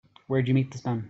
Where'd you meet this man?